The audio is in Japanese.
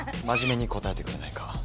まじめに答えてくれないか。